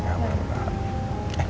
eh yaudah jalan